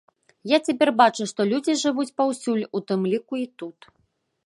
Я цяпер бачу, што людзі жывуць паўсюль, у тым ліку і тут.